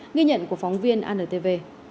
nghi nhận của phóng viên antv